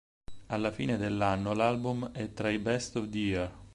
Alla fine dell'anno l'album è tra i Best of the Year.